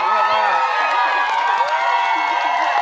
ได้